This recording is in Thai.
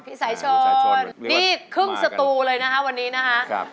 พี่สายชนดีครึ่งสตูเลยนะครับวันนี้นะครับครับ